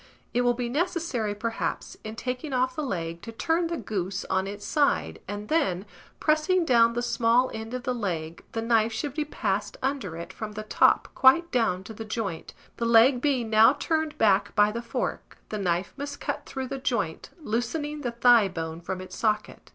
It will be necessary, perhaps, in taking off the leg, to turn the goose on its side, and then, pressing down the small end of the leg, the knife should be passed under it from the top quite down to the joint; the leg being now turned back by the fork, the knife must cut through the joint, loosening the thigh bone from its socket.